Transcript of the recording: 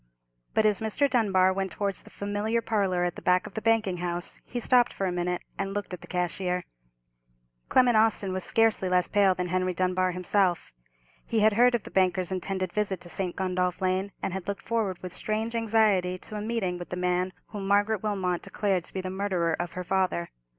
But as Mr. Dunbar went towards the familiar parlour at the back of the banking house, he stopped for a minute, and looked at the cashier. Clement Austin was scarcely less pale than Henry Dunbar himself. He had heard of the banker's intended visit to St. Gundolph Lane, and had looked forward with strange anxiety to a meeting with the man whom Margaret Wilmot declared to be the murderer of her father.